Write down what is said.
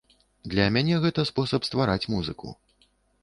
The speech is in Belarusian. Для мяне гэта спосаб ствараць музыку.